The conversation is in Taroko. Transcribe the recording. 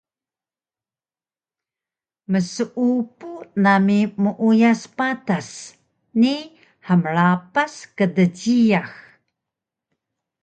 Mseupu nami meuyas patas ni hmrapas kdjiyax